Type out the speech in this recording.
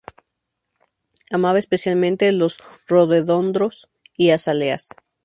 Amaba especialmente los rododendros y azaleas.